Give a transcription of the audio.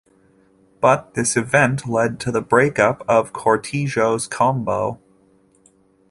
But this event led to the break-up of Cortijo's Combo.